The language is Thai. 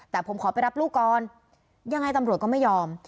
แต่ผมขอไปรับลูกก่อนยังไงตำรวจก็ไม่ยอม